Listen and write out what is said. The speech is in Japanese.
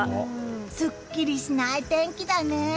すっきりしない天気だね。